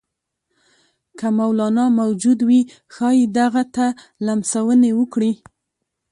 که مولنا موجود وي ښايي دغه ته لمسونې وکړي.